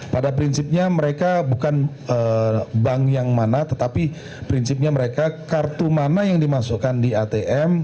pada prinsipnya mereka bukan bank yang mana tetapi prinsipnya mereka kartu mana yang dimasukkan di atm